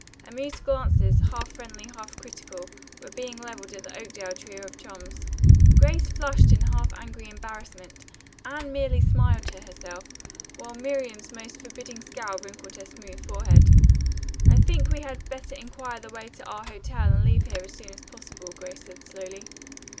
Amused glances, half friendly, half critical, were being leveled at the Oakdale trio of chums. Grace flushed in half angry embarrassment, Anne merely smiled to herself, while Miriam's most forbidding scowl wrinkled her smooth forehead. "I think we had better inquire the way to our hotel and leave here as soon as possible," Grace said slowly.